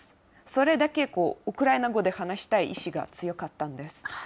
それだけこう、ウクライナ語で話したい意志が強かったんです。